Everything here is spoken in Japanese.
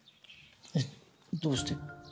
えどうして？